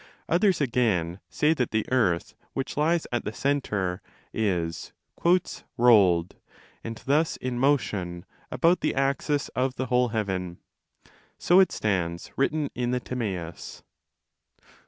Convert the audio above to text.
Others, again, say that the earth, which lies at the centre, is 'rolled', and thus in motion, about the axis of the whole heaven. So it stands written in the 77zmaeus.